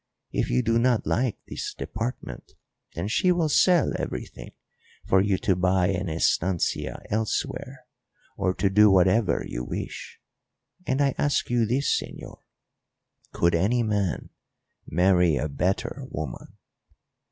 If you do not like this department, then she will sell everything for you to buy an estancia elsewhere, or to do whatever you wish. And I ask you this, señor, could any man marry a better woman?"